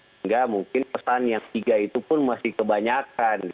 sehingga mungkin pesan yang tiga itu pun masih kebanyakan